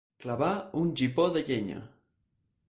Clavar un gipó de llenya.